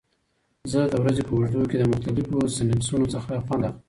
زه د ورځې په اوږدو کې له مختلفو سنکسونو څخه خوند اخلم.